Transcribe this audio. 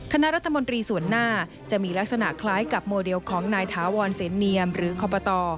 คณะรัฐมนตรีส่วนหน้าจะมีลักษณะคล้ายกับโมเดลของนายถาวรเสนเนียมหรือคอปต